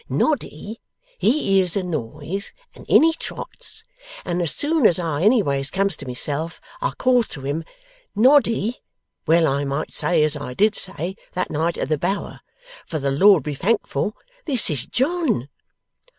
Noddy, he hears a noise, and in he trots, and as soon as I anyways comes to myself I calls to him, "Noddy, well I might say as I did say, that night at the Bower, for the Lord be thankful this is John!"